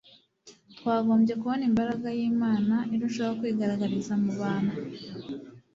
twagombye kubona imbaraga yImana irushaho kwigaragariza mu bantu